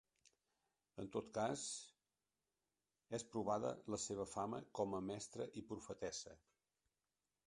En tot cas, és provada la seva fama com a mestra i profetessa.